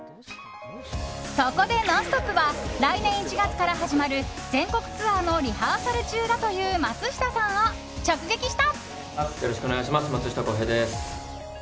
そこで「ノンストップ！」は来年１月から始まる全国ツアーのリハーサル中だという松下さんを直撃した。